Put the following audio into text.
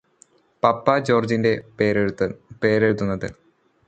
പപ്പാ ജോര്ജിന്റെ പേരെഴുതുന്നത്